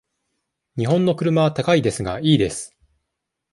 日本の車は高いですが、いいです。